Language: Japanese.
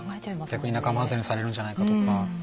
逆に仲間外れにされるんじゃないかとか。